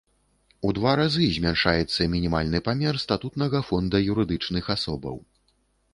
У два разы змяншаецца мінімальны памер статутнага фонда юрыдычных асобаў.